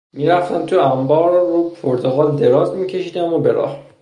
می رفتم تو انبار رو پرتقال دراز می کشیدم و به راه